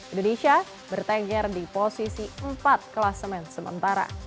indonesia bertengger di posisi empat kelas men sementara